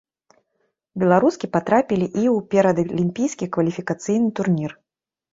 Беларускі патрапілі і ў перадалімпійскі кваліфікацыйны турнір.